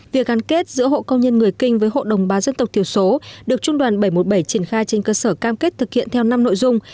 việc gắn kết giữa hộ công nhân người kinh với hộ đồng bào dân tộc thiểu số được trung đoàn bảy trăm một mươi bảy triển khai trên cơ sở cam kết thực hiện theo năm nội dung